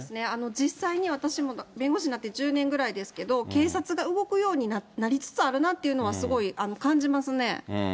実際に私も弁護士になって１０年ぐらいですけど、警察が動くようになりつつあるなというのはすごい感じますね。